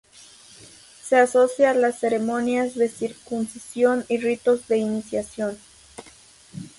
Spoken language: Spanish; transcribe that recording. Se asocia a las ceremonias de circuncisión y ritos de iniciación.